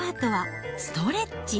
そのあとはストレッチ。